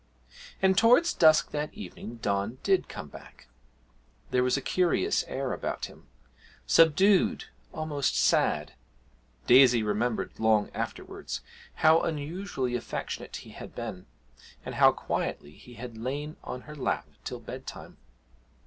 And towards dusk that evening Don did come back. There was a curious air about him subdued, almost sad; Daisy remembered long afterwards how unusually affectionate he had been, and how quietly he had lain on her lap till bedtime.